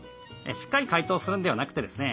しっかり解凍するんではなくてですね